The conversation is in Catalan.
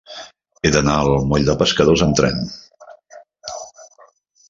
He d'anar al moll de Pescadors amb tren.